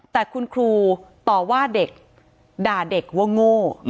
แต่คุณครูต่อว่าเด็กด่าเด็กว่าโง่